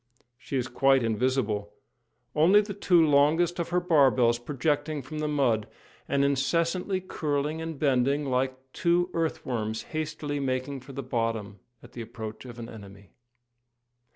She is quite invisible, only the two longest of her barbels projecting from the mud, and incessantly curling and bending like two earth worms hastily making for the bottom at the approach of an enemy.